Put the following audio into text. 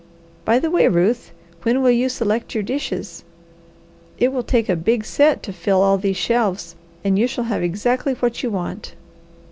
By the way, Ruth, when will you select your dishes? It will take a big set to fill all these shelves and you shall have exactly what you want."